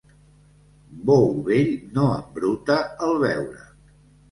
Bou vell no embruta el beure.